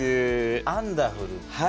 アンダフル？